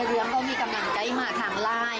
พอเด็กเรื้อเขามีกำหลังใกล้มาถังลาย